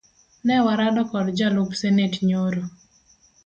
Ne warado kod jalup senate nyoro